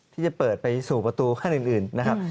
ที่จะเปิดไปสู่ประตูขั้นอื่นนะครับ